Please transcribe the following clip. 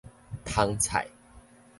捀菜